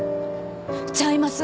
ちゃいます。